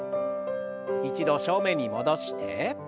一度正面に戻して。